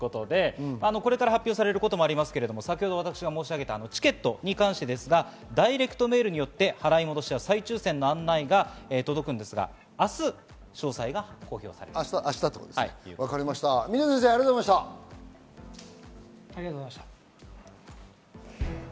これから発表されることもありますが、先ほど申し上げたチケットに関してですが、ダイレクトメールによって払い戻しや再抽選の案内が届くんですが、明日詳細が公表さ水野先生、ありがとうございました。